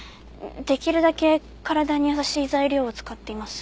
できるだけ体に優しい材料を使っています。